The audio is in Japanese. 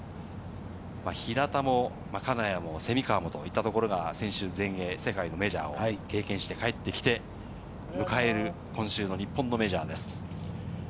平田も金谷も蝉川も先週、全英、世界のメジャーを経験して帰ってきて迎える今週の日本のメジャーです。